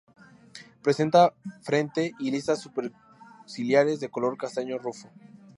Presenta frente y listas superciliares de color castaño rufo.